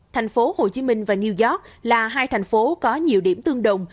thành phố hồ chí minh và new york là hai thành phố có nhiều điểm tương đồng